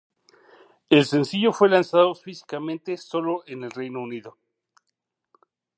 El sencillo fue lanzado físicamente sólo en el Reino Unido.